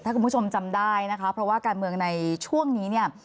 ถ้าคุณผู้ชมจำได้นะคะเพราะว่าการเมืองในช่วงนี้เนี่ย